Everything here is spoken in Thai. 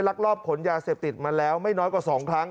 ลักลอบขนยาเสพติดมาแล้วไม่น้อยกว่า๒ครั้ง